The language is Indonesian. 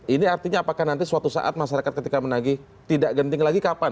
ini artinya apakah nanti suatu saat masyarakat ketika menagih tidak genting lagi kapan